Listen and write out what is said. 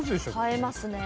映えますね。